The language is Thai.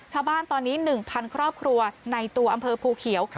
ชาวบ้านตอนนี้๑๐๐ครอบครัวในตัวอำเภอภูเขียว